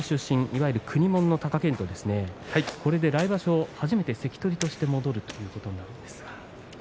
いわゆる国もんの貴健斗ですね来場所、初めて関取として戻るということになりますか。